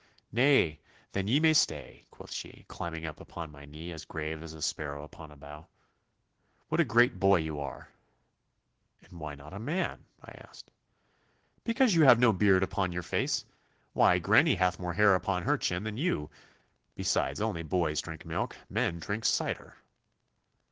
'Nay, then ye may stay,' quoth she, climbing up upon my knee as grave as a sparrow upon a bough. 'What a great boy you are!' 'And why not a man?' I asked. 'Because you have no beard upon your face. Why, granny hath more hair upon her chin than you. Besides, only boys drink milk. Men drink cider.